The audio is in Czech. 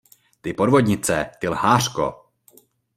Ty podvodnice, ty lhářko!